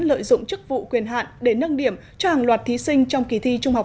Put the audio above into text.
lợi dụng chức vụ quyền hạn để nâng điểm cho hàng loạt thí sinh trong kỳ thi trung học